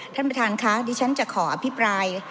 ท่านประธานค่ะดิฉันจะขออภิปราย